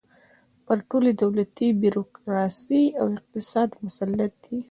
پر ټولې دولتي بیروکراسۍ او اقتصاد مسلط دی.